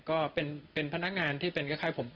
ก็เป็นพนักงานที่เป็นคล้ายผม